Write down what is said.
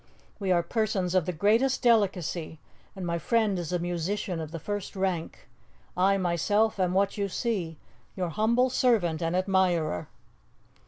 We are persons of the greatest delicacy, and my friend is a musician of the first rank. I myself am what you see your humble servant and admirer."